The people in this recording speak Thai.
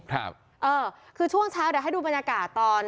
ครับเออคือช่วงเช้าเดี๋ยวให้ดูบรรยากาศตอน